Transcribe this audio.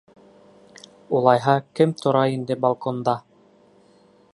Улайһа, кем тора ине балконда?